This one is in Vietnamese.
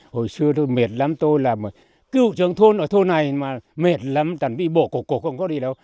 hồi xưa tôi mệt lắm tôi là cựu trường thôn ở thôn này mà mệt lắm tàn bị bổ cổ cổ không có gì đâu